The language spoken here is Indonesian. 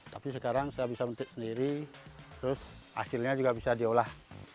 tapi sekarang saya bisa memetik sendiri terus hasilnya juga bisa diolah